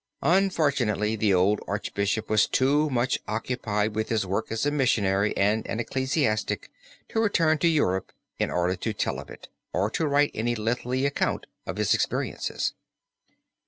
Unfortunately the old Archbishop was too much occupied with his work as a missionary and an ecclesiastic to return to Europe in order to tell of it, or to write any lengthy account of his experiences.